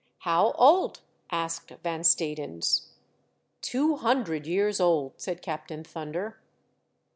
" How oldt ?" asked Van Stadens. *' Two hundred years old," said Captain Thunder.